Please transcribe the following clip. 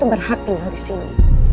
kamu gak ada hak tinggal disini